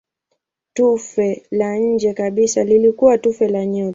Tufe la nje kabisa lilikuwa tufe la nyota.